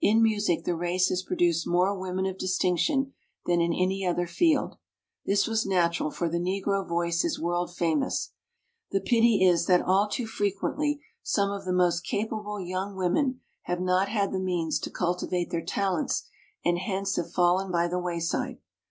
In music the race has produced more women of distinction than in any other field. This was natural, for the Negro voice is world famous. The pity is that all too fre quently some of the most capable young women have not had the means to cultivate their talents and hence have fallen by the wayside.